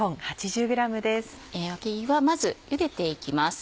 わけぎはまずゆでていきます。